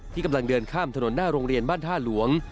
กำลังเดินข้ามถนนหน้าโรงเรียนบ้านท่าหลวง